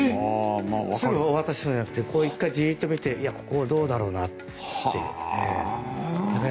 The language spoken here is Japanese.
すぐお渡しするんじゃなくて１回、じっと見てここ、どうだろうなとか。